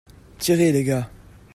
Tirez, les gars !